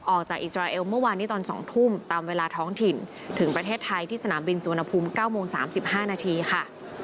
อิสราเอลเมื่อวานนี้ตอน๒ทุ่มตามเวลาท้องถิ่นถึงประเทศไทยที่สนามบินสุวรรณภูมิ๙โมง๓๕นาทีค่ะ